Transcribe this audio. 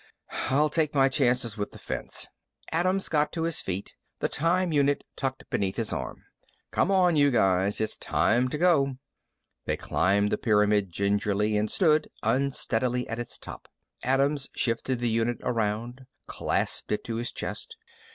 "I'll take my chances with the fence." Adams got to his feet, the time unit tucked underneath his arm. "Come on, you guys. It's time to go." They climbed the pyramid gingerly and stood unsteadily at its top. Adams shifted the unit around, clasped it to his chest.